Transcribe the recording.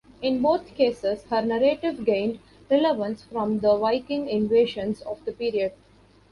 In both cases, her narrative gained relevance from the Viking invasions of the period.